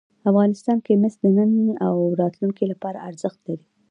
افغانستان کې مس د نن او راتلونکي لپاره ارزښت لري.